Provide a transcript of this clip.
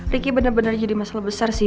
ricky bener bener jadi masalah besar sih